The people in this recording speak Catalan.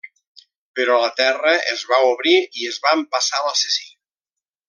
Però la terra es va obrir i es va empassar l'assassí.